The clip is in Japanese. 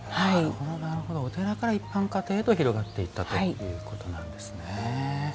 なるほどお寺から一般家庭へと広がっていったということなんですね。